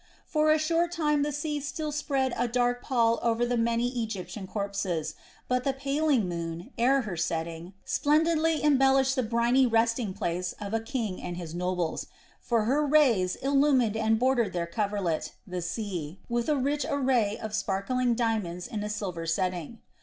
For a short time the sea still spread a dark pall over the many Egyptian corpses, but the paling moon, ere her setting, splendidly embellished the briny resting place of a king and his nobles; for her rays illumined and bordered their coverlet, the sea, with a rich array of sparkling diamonds in a silver setting.